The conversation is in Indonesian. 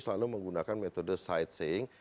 selalu menggunakan metode side saing